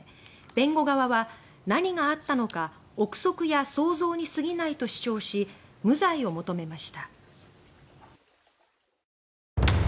弁護側は「何があったのか臆測や想像にすぎない」と主張し無罪を求めました。